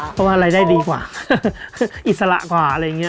เพราะว่ารายได้ดีกว่าอิสระกว่าอะไรอย่างนี้